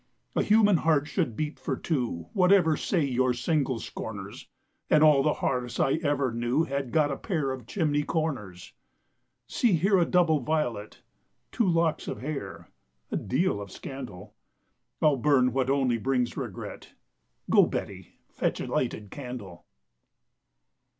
A human heart should beat for two, Whatever say your single scorners, And all the hearths I ever knew Had got a pair of chimney corners. See here a double violet— Two locks of hair—a deal of scandal: I'll burn what only brings regret— Go, Betty, fetch a lighted candle.